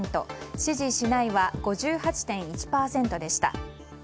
支持しないは５８．１％でした。